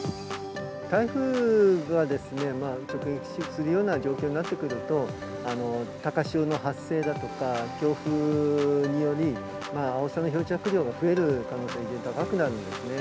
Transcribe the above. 台風がですね、直撃するような状況になってくると、高潮の発生だとか、強風により、アオサの漂着量が増える可能性が高くなるんですね。